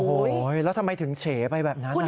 โอ้โฮแล้วทำไมถึงเฉไปแบบนั้นนะครับ